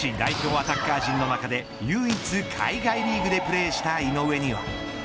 アタッカー陣の中で唯一、海外リーグでプレーした井上。